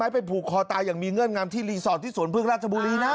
ทำได้ไหมไปผูกคอตายอย่างมีเงื่อนงามที่รีสอร์ทที่ศูนย์ภึกราชบุรีนะ